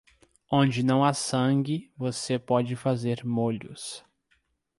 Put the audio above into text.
Onde não há sangue, você não pode fazer molhos.